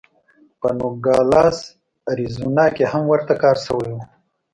په نوګالس اریزونا کې هم ورته کار شوی و.